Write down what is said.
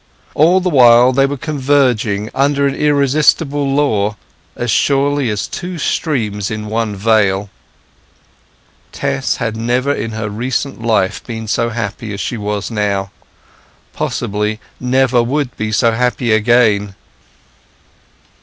All the while they were converging, under an irresistible law, as surely as two streams in one vale. Tess had never in her recent life been so happy as she was now, possibly never would be so happy again.